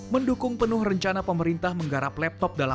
mendukung penuh rencana pemerintah menggarapkan kondisi indonesia